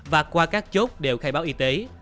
và qua các chốt đều khai báo y tế